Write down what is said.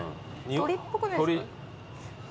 鳥っぽくないですか？